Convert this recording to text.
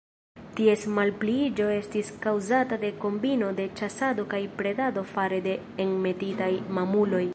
Ties malpliiĝo estis kaŭzata de kombino de ĉasado kaj predado fare de enmetitaj mamuloj.